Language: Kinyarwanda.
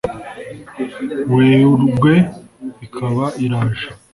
weurrwe ikaba iraje